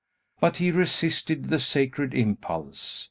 But he resisted the sacred impulse.